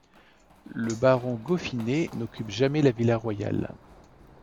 Le baron Goffinet n’occupe jamais la Villa royale.